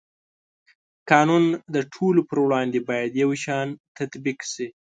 قانون د ټولو په وړاندې باید یو شان تطبیق شي.